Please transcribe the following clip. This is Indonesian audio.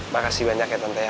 makasih banyak ya tante ya